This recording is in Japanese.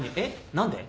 何で？